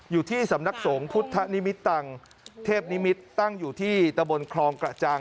อยู่ที่สำนักสงฆ์พุทธนิมิตตังเทพนิมิตรตั้งอยู่ที่ตะบนคลองกระจัง